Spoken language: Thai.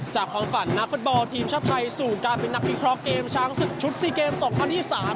ความฝันนักฟุตบอลทีมชาติไทยสู่การเป็นนักวิเคราะห์เกมช้างศึกชุดสี่เกมสองพันยี่สิบสาม